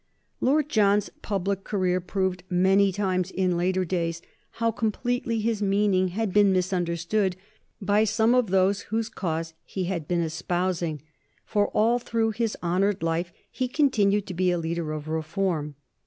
Lord John's public career proved many times, in later days, how completely his meaning had been misunderstood by some of those whose cause he had been espousing, for all through his honored life he continued to be a leader of reform.